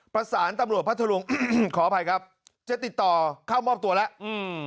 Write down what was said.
ประสานตำรวจพัทธรุงอืมขออภัยครับจะติดต่อเข้ามอบตัวแล้วอืม